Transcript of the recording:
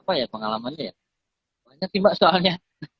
apa ya pengalamannya ya banyak sih mbak soalnya